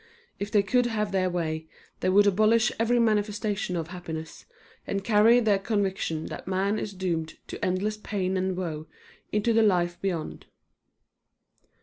If they could have their way they would abolish every manifestation of happiness, and carry their conviction that man is doomed to endless pain and woe into the life beyond.